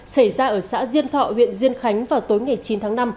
xảy ra ở xã diên thọ huyện diên khánh vào tối ngày chín tháng năm